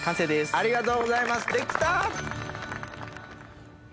ありがとうございます出来た！